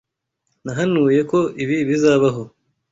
Nahanuye ko ibi bizabaho.